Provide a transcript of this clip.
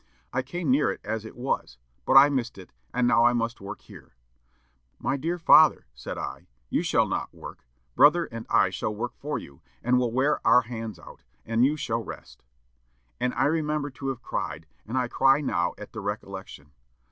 I came near it as it was. But I missed it, and now I must work here.' 'My dear father,' said I, 'you shall not work. Brother and I shall work for you, and will wear our hands out, and you shall rest.' And I remember to have cried, and I cry now at the recollection.